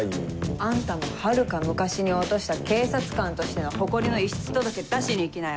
あんたもはるか昔に落とした警察官としての誇りの遺失届出しに行きなよ。